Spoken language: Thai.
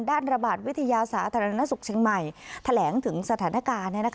ระบาดวิทยาสาธารณสุขเชียงใหม่แถลงถึงสถานการณ์